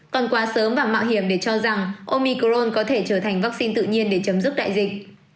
còn quá sớm và mạo hiểm để cho rằng omicron có thể trở thành vaccine tự nhiên để chấm dứt đại dịch